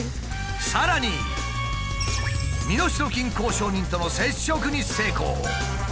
さらに身代金交渉人との接触に成功！